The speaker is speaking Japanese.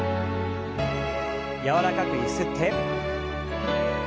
柔らかくゆすって。